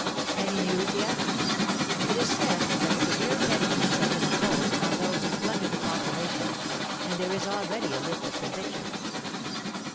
Any news yet? It is said that severe penalties have been imposed on those who plunder the population, and there is already a list of convictions.